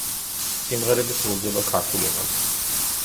სიმღერები სრულდება ქართულ ენაზე.